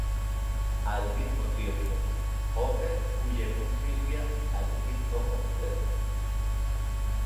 Al mismo tiempo, Homer huye con Sylvia al mismo complejo.